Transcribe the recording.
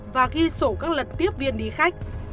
và ghi sổ các lật tiếp viên đi khách